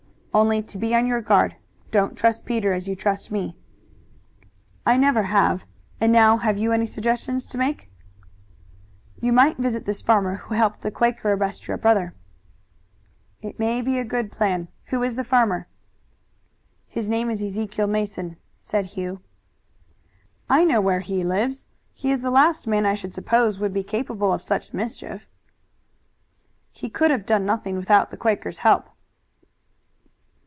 "Only to be on your guard. Don't trust Peter as you trust me." "I never have. And now have you any suggestions to make?" "You might visit this farmer who helped the Quaker arrest your brother." "It may be a good plan. Who is the farmer?" "His name is Ezekiel Mason." "I know where he lives. He is the last man I should suppose would be capable of such mischief." "He could have done nothing without the Quaker's help."